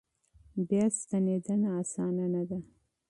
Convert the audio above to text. بیا ستنېدنه اسانه نه ده.